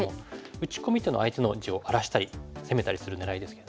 打ち込みっていうのは相手の地を荒らしたり攻めたりする狙いですけども。